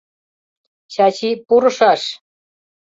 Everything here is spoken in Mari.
— Чачи, пурышаш!